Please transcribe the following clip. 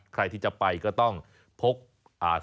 ใครที่จะไปก็ต้องพกเสื้อกำหนาว